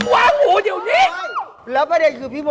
ว่ามึนเลยเหรอมึน